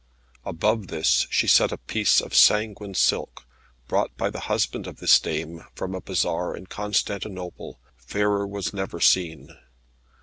Above this she set a piece of sanguine silk, brought by the husband of this dame from a bazaar in Constantinople fairer was never seen.